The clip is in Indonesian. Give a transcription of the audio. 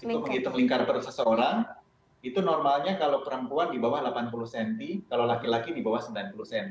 untuk menghitung lingkar per seseorang itu normalnya kalau perempuan di bawah delapan puluh cm kalau laki laki di bawah sembilan puluh cm